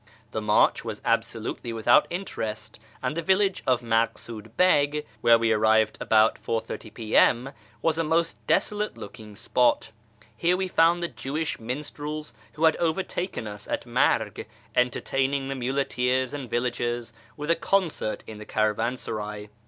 The march was absolutely without interest, and the village of Maksud Beg, where we arrived about 4.30 p.m., was a most desolate looking spot. Here we found the Jewish minstrels who had overtaken us at Marg entertaining the muleteers and villagers with a concert ' in the caravansaray.